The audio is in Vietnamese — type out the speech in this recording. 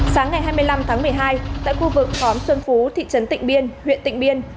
sáng ngày hai mươi năm tháng một mươi hai tại khu vực khóm xuân phú thị trấn tịnh biên huyện tịnh biên